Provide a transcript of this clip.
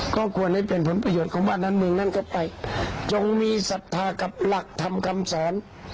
ก็ควรให้เป็นผลประโยชน์ของบ้านนั้นเมืองนั้นก็ไปจงมีศรัทธากับหลักธรรมคำสอน